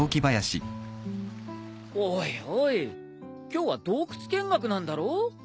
おいおい今日は洞窟見学なんだろう？